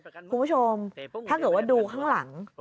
คุณผู้ชมถ้าเกิดว่าดูข้างหลัง